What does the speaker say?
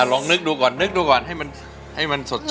อ่ะลองนึกดูก่อนนึกดูก่อนให้มันสดชื่น